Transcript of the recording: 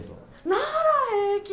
なら平気よ。